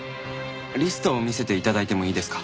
リストを見せて頂いてもいいですか？